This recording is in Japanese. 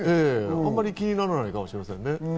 あんまり気にならないかもしれませんね。